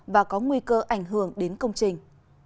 và có nguy cơ ảnh hưởng đến công trình